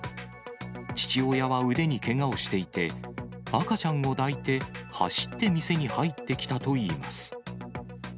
父親は腕にけがをしていて、赤ちゃんを抱いて走って店に入ってきたといいます。